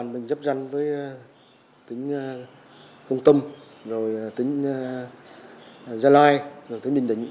mình dắp danh với tính công tâm rồi tính gia lai rồi tính đình định